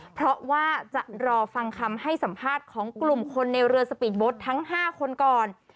เพราะว่าจะรอฟังคำให้สัมภาษณ์ของกลุ่มคนในเรือสปีดโบ๊ททั้ง๕คนก่อน